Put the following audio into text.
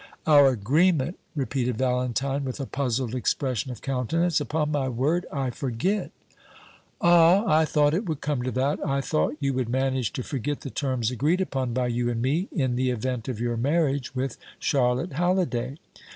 "Our agreement!" repeated Valentine, with a puzzled expression of countenance. "Upon my word, I forget." "Ah, I thought it would come to that; I thought you would manage to forget the terms agreed upon by you and me in the event of your marriage with Charlotte Halliday.